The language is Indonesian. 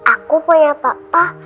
aku punya papa